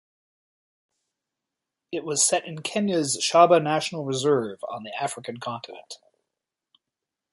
It was set in Kenya's Shaba National Reserve on the African continent.